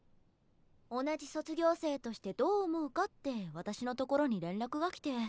同じ卒業生としてどう思うかって私のところに連絡が来て。